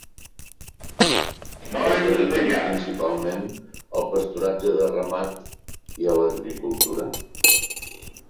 Es dediquen principalment al pasturatge de ramat i a l'agricultura.